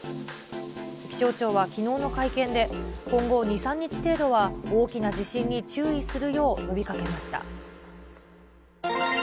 気象庁はきのうの会見で、今後２、３日程度は、大きな地震に注意するよう呼びかけました。